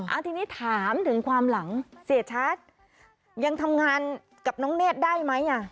เอาทีนี้ถามถึงความหลังเสียชัดยังทำงานกับน้องเนธได้ไหมอ่ะ